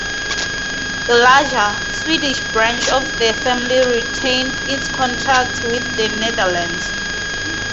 The larger, Swedish branch of the family retained its contacts with the Netherlands.